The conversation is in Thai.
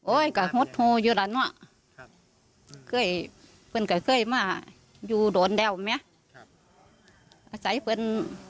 โอ้ยกะโฮดโธอยู่แล้วหน้าเคยเคยมาอยู่โดนแล้วแม่อาศัยเพื่อน